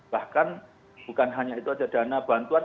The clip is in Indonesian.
bahkan bukan hanya itu saja dana bantuan